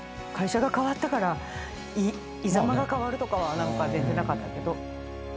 会社が変わったから居ざまが変わるとかは全然なかったけど。